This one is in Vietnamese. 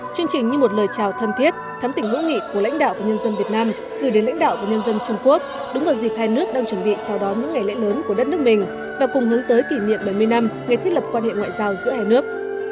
chương trình như một lời chào thân thiết thắm tỉnh hữu nghị của lãnh đạo và nhân dân việt nam gửi đến lãnh đạo và nhân dân trung quốc đúng vào dịp hai nước đang chuẩn bị chào đón những ngày lễ lớn của đất nước mình và cùng hướng tới kỷ niệm bảy mươi năm ngày thiết lập quan hệ ngoại giao giữa hai nước